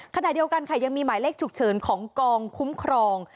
ขณะเดียวกันค่ะยังมีหมายเลขฉุกเฉินของกองคุ้มครอง